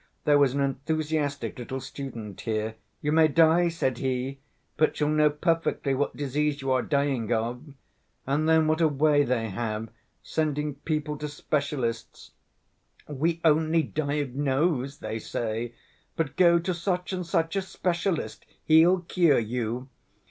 There was an enthusiastic little student here, 'You may die,' said he, 'but you'll know perfectly what disease you are dying of!' And then what a way they have sending people to specialists! 'We only diagnose,' they say, 'but go to such‐and‐such a specialist, he'll cure you.